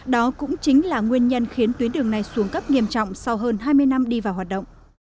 đó cũng chính là nguyên nhân khiến tuyến đường này xuống cấp nghiêm trọng sau hơn hai mươi năm đi vào hoạt động